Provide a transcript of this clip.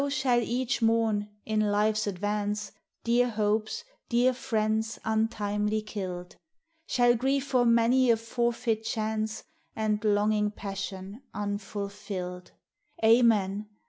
So each shall mourn, in life's advance, Dear hopes, dear friends, untimely killed; Shall grieve for many a forfeit chance And longing passion unfulfilled. Amen